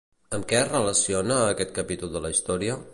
Amb què es relaciona aquest capítol de la història?